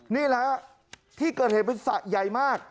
นี่แหละครับที่เกิดเหตุวิทยาศาสตร์ใหญ่มาก